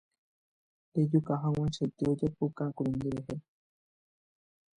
Ndejukahag̃uaichaite ojapoukákuri nderehe.